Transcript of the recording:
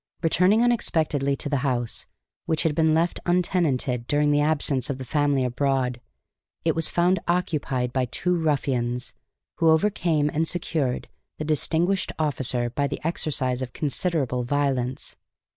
Returning unexpectedly to the house, which had been left untenanted during the absence of the family abroad, it was found occupied by two ruffians, who overcame and secured the distinguished officer by the exercise of considerable violence.